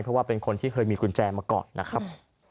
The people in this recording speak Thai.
เพราะว่าเป็นคนที่เคยมีกุญแจมาก่อนนะครับ